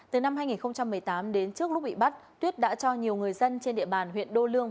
từ năm hai nghìn một mươi tám đến trước lúc bị bắt tuyết đã cho nhiều người dân trên địa bàn huyện đô lương